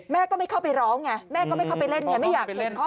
แม่ก็ไม่เข้าไปร้องไงแม่ก็ไม่เข้าไปเล่นไง